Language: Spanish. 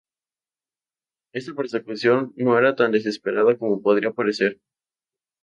Esta persecución no era tan desesperada como podría parecer.